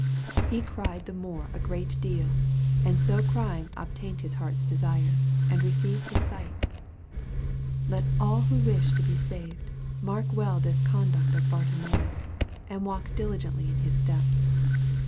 " He cried the more a great deal/' and so cry ing obtained his heart's desire, and received his sight. Let all who wish to be saved, mark well this conduct of Bartimaeus, and walk diligently in his steps.